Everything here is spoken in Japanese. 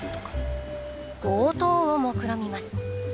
強盗をもくろみます。